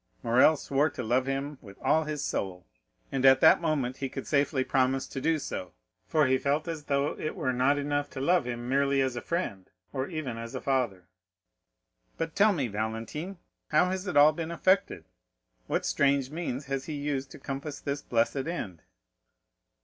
Morrel swore to love him with all his soul; and at that moment he could safely promise to do so, for he felt as though it were not enough to love him merely as a friend or even as a father, he worshiped him as a god. "But tell me, Valentine, how has it all been effected? What strange means has he used to compass this blessed end?"